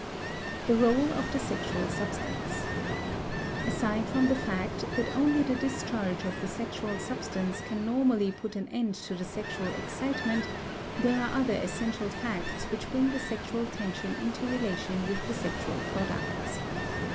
*The Rôle of the Sexual Substance.* Aside from the fact that only the discharge of the sexual substance can normally put an end to the sexual excitement, there are other essential facts which bring the sexual tension into relation with the sexual products.